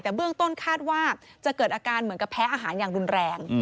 แต่เบื้องต้นคาดว่าจะเกิดอาการเหมือนกับแพ้อาหารอย่างรุนแรง